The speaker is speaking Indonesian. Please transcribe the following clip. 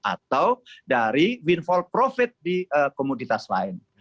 atau dari win for profit di komunitas lain